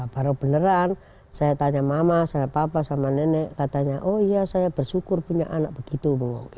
baru beneran saya tanya mama saya papa sama nenek katanya oh iya saya bersyukur punya anak begitu